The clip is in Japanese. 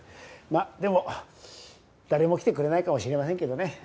まあでも誰も来てくれないかもしれませんけどね。